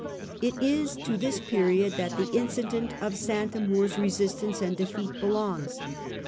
It is to this period that the incident of St Amour's resist ance and defeat belongs.